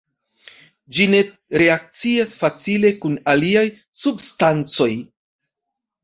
Ĝi ne reakcias facile kun aliaj substancoj.